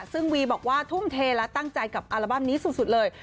ซึ่งวีบอกว่าทุ่มเทและตั้งใจกับอัลบั้มนี้สุดเลย